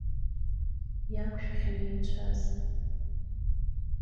Иақәшәахьан еицәаз…